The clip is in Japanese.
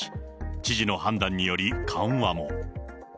知事の判断により緩和も。